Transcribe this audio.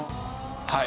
はい。